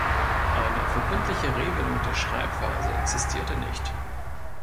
Eine verbindliche Regelung der Schreibweise existierte nicht.